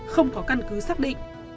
không có căn cứ xác định